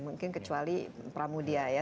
mungkin kecuali pramudia ya